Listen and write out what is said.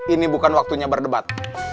ini bukan waktunya berdebat